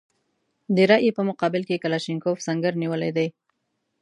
د رایې په مقابل کې کلاشینکوف سنګر نیولی دی.